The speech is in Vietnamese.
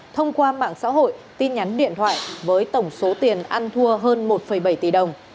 thông qua mạng xã hội tin nhắn điện thoại với tổng số tiền ăn thua hơn một bảy tỷ đồng